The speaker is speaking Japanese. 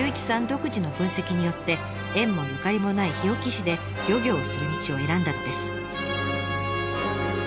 独自の分析によって縁もゆかりもない日置市で漁業をする道を選んだのです。